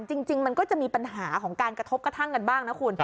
จริงมันก็จะมีปัญหาของการกระทบกระทั่งกันบ้างนะคุณ